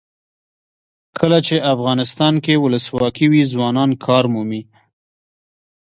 کله چې افغانستان کې ولسواکي وي ځوانان کار مومي.